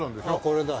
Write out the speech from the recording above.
これだ。